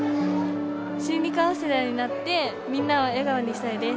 心理カウンセラーになってみんなを笑顔にしたいです。